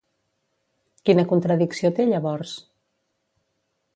Quina contradicció té llavors?